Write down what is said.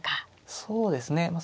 そうですねまあ